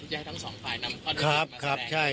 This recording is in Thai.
ทุกอย่างให้ทั้งสองฝ่ายนำข้อเรียนมาแสดงไหม